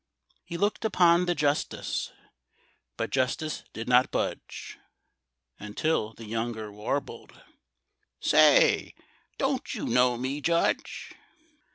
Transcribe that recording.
He looked upon the Justice, But Justice did not budge Until the younger warbled, "Say—don't you know me, Judge?"